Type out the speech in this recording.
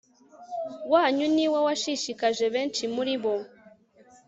wanyu ni wo washishikaje benshi muri bo